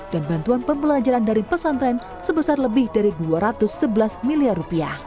dan bantuan pembelajaran dari pesantren sebesar lebih dari rp dua ratus sebelas miliar